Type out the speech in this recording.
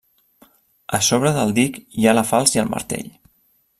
Al sobre del dic hi ha la falç i el martell.